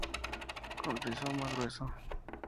Con rizoma grueso.